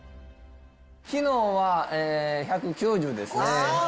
きのうは１９０ですね。